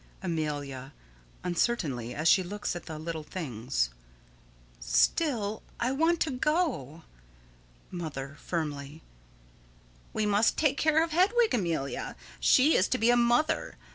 Amelia: [Uncertainly, as she looks at the little things.] Still I want to go. Mother: [Firmly.] We must take care of Hedwig, Amelia. She is to be a mother.